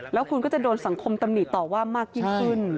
แล้วคุณก็จะโดนสังคมตำหนิต่อว่ามากยิ่งขึ้น